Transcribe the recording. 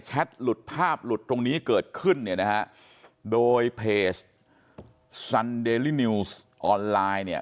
หลุดภาพหลุดตรงนี้เกิดขึ้นเนี่ยนะฮะโดยเพจซันเดลินิวส์ออนไลน์เนี่ย